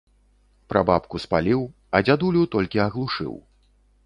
Прабабку спаліў, а дзядулю толькі аглушыў.